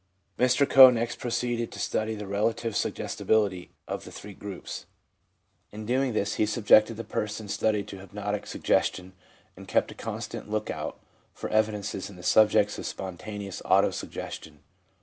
Mr Coe next proceeded to study the relative sug gestibility of the three groups. In doing this he sub 74 THE PSYCHOLOGY OF RELIGION jected the persons studied to hypnotic suggestion, and kept a constant look out for evidences in the subjects of spontaneous auto suggestion.